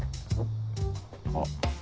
あっ。